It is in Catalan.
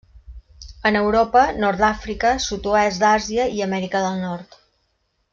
En Europa, Nord d'Àfrica, Sud-oest d'Àsia i Amèrica del nord.